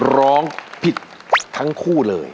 ร้องผิดทั้งคู่เลย